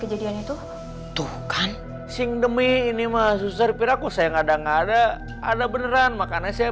kejadian itu tuh kan sing demi ini mah susah dipiraku saya nggak ada nggak ada ada beneran makanya saya